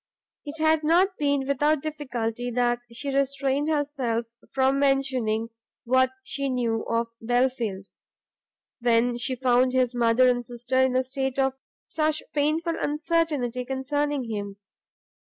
It had not been without difficulty that she had restrained herself from mentioning what she knew of Belfield, when she found his mother and sister in a state of such painful uncertainty concerning him.